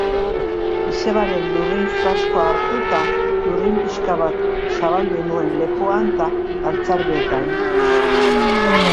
Izebaren lurrin flaskoa hartu eta lurrin pixka bat zabaldu nuen lepoan eta galtzarbeetan.